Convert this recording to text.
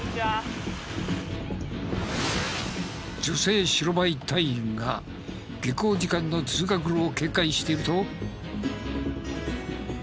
女性白バイ隊員が下校時間の通学路を警戒していると。